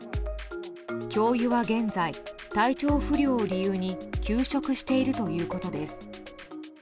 教諭は現在、体調不良を理由に休職しているということです。